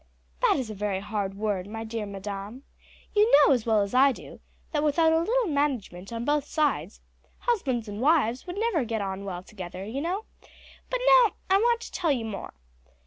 "That is a very hard word, my dear madam. You know as well as I do that without a little management on both sides husbands and wives would never get on well together; but now I want to tell you more.